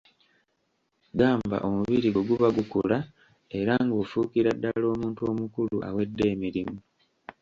Gamba omubiri gwo guba gukula era ng'ofuukira ddala omuntu omukulu awedde emirimu.